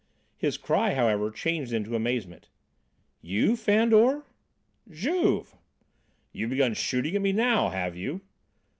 His cry, however, changed into amazement. "You, Fandor?" "Juve!" "You've begun shooting at me, now, have you?"